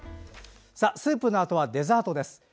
スープのあとはデザートです。